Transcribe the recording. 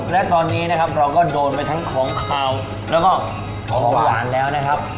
และตอนนี้นะครับเราก็โดนไปทั้งของขาวแล้วก็ของหวานแล้วนะครับ